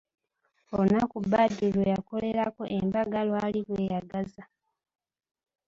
Olunaku Badru lwe yakolerako embaga lwali lweyagaza.